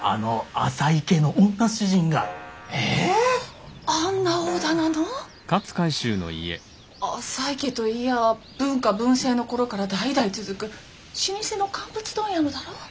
浅井家といやあ文化文政の頃から代々続く老舗の乾物問屋のだろ？